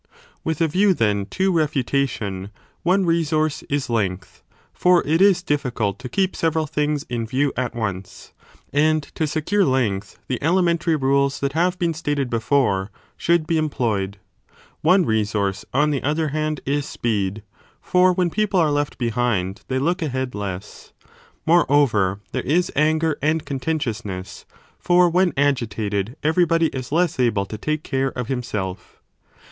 With a view then to refutation, one resource is length 15 for it is difficult to keep several things in view at once ; and to secure length the elementary rules that have been stated before 1 should be employed. One resource, on the other hand, is speed ; for when people are left behind they look 20 ahead less. Moreover, there is anger and contentiousness, for when agitated everybody is less able to take care of himself.